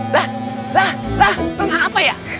lah lah lah lo ngapa ya